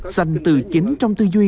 xanh từ chính trong tư duy